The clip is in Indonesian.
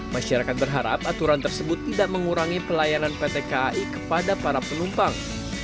masyarakat berharap aturan tersebut tidak mengurangi pelayanan pt kai kepada para penumpang